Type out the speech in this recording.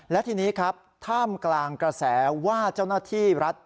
และทีนี้ครับท่ามกลางกระแสว่าเจ้าหน้าที่รัฐ